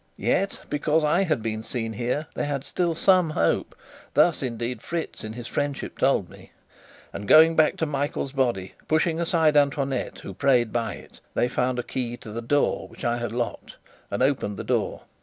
Yet, because I had been seen here, they had still some hope (thus indeed Fritz, in his friendship, told me); and going back to Michael's body, pushing aside Antoinette, who prayed by it, they found a key to the door which I had locked, and opened the door.